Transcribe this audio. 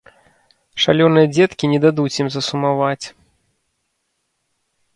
Шалёныя дзеткі не дадуць ім засумаваць.